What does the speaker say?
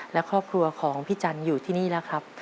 และครอบครัวของพี่จันทร์อยู่ที่นี่แล้วครับ